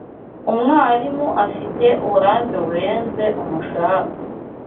Umwarimu afite uburambe burenze umushahara